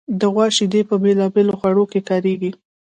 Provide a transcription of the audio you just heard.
د غوا شیدې په بېلابېلو خوړو کې کارېږي.